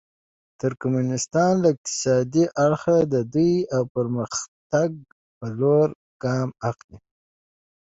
ترکمنستان له اقتصادي اړخه د ودې او پرمختګ په لور ګام اخلي.